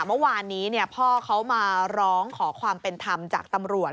เมื่อวานนี้พ่อเขามาร้องขอความเป็นธรรมจากตำรวจ